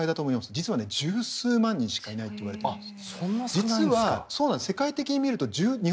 実は１０数万人しかいないといわれているんです。